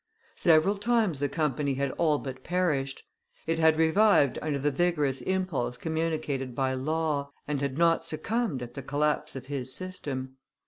Several times the Company had all but perished; it had revived under the vigorous impulse communicated by Law, and had not succumbed at the collapse of his system.